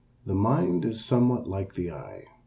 The mind is somewhat like the eye.